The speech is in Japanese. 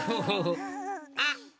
あっ！